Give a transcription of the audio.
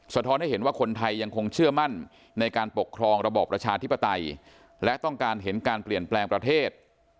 ท้อนให้เห็นว่าคนไทยยังคงเชื่อมั่นในการปกครองระบอบประชาธิปไตยและต้องการเห็นการเปลี่ยนแปลงประเทศ